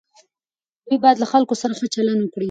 دوی باید له خلکو سره ښه چلند وکړي.